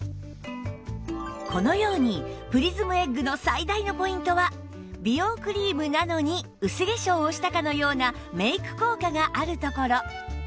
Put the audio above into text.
このようにプリズムエッグの最大のポイントは美容クリームなのに薄化粧をしたかのようなメイク効果があるところ！